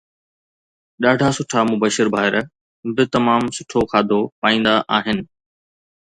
ڏاڍا سٺا مبشر ڀائر به تمام سٺو کاڌو پائيندا آهن